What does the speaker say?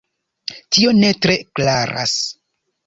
Tio ne tre klaras.